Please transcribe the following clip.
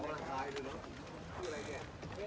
สวัสดีครับทุกคน